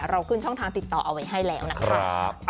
เราขึ้นช่องทางติดต่อเอาไว้ให้แล้วนะครับ